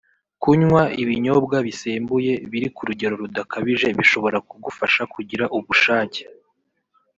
Kunywa ibinyombwa bisembuye biri ku rugero rudakabije bishobora kugufasha kugira ubushake